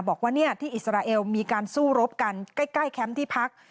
บอกว่าที่อิสราเอลมีการสู้รบกันใกล้แคมป์ที่พัก